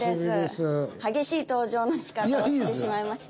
激しい登場の仕方をしてしまいました。